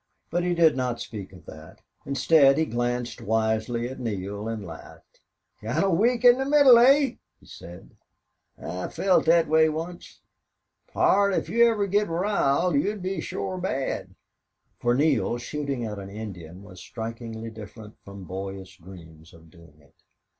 But he did not speak of that. Instead he glanced wisely at Neale and laughed. "Kinda weak in the middle, eh?" he said. "I felt thet way once.... Pard, if you ever get r'iled you'll be shore bad." For Neale shooting at an Indian was strikingly different from boyish dreams of doing it.